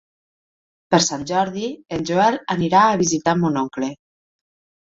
Per Sant Jordi en Joel anirà a visitar mon oncle.